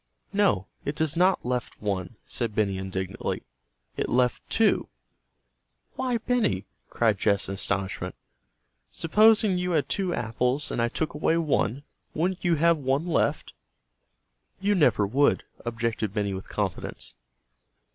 "No, it does not left one," said Benny indignantly. "It left two." "Why, Benny!" cried Jess in astonishment. "Supposing you had two apples and I took away one, wouldn't you have one left?" "You never would," objected Benny with confidence.